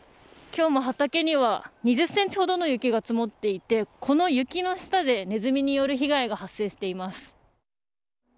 今日も畑には２０ｃｍほどの雪が積もっていてこの雪の下でネズミによる被害が発生しています。